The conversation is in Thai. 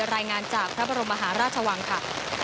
รายงานจากพระบรมมหาราชวังค่ะ